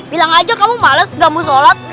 bilang aja kamu males gak mau sholat